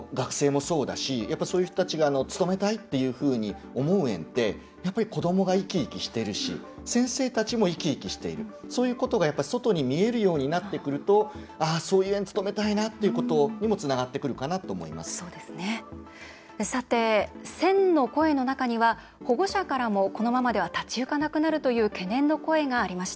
やっぱり学生もそうだしそういう人たちが勤めたいというふうに思う園って子どもが生き生きしているし先生たちも生き生きしているそういうことが外に見えるようになってくるとそういう園に勤めたいということに１０００の声の中には保護者からも、このままでは立ち行かなくなるという懸念の声がありました。